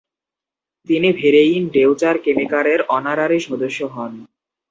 তিনি ভেরেইন ডেউচার কেমিকারের অনারারি সদস্য হন।